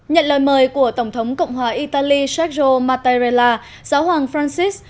nhận lời mời của tổng thống cộng hòa italy sergio mattarella giáo hoàng francis